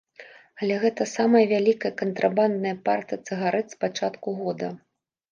Але гэта самая вялікая кантрабандная партыя цыгарэт з пачатку года.